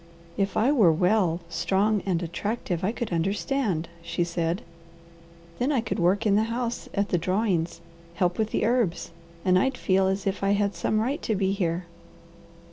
"If I were well, strong, and attractive, I could understand," she said. "Then I could work in the house, at the drawings, help with the herbs, and I'd feel as if I had some right to be here."